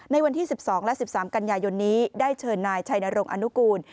ในวันที่๑๒และ๑๓กันยายนนี้ได้เชิญนายชัยนรงค์อนุกูล